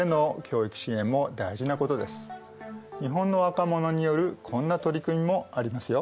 日本の若者によるこんな取り組みもありますよ。